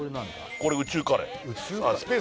これ宇宙カレーあ